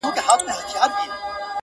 کلي دوه برخې ښکاري اوس ډېر,